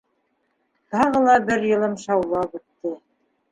Тағы ла бер йылым шаулап үтте.